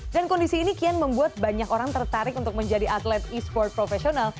dan kondisi ini kian membuat banyak orang tertarik untuk menjadi atlet e sport profesional